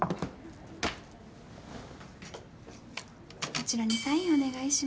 こちらにサインお願いします。